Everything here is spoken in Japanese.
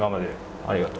ありがとう。